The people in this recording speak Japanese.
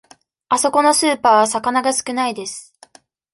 あそこのスーパーは魚が少ないです。